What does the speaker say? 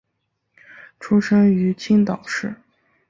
出生于青岛市。